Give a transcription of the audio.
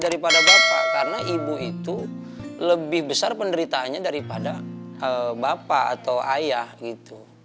daripada bapak karena ibu itu lebih besar penderitaannya daripada bapak atau ayah gitu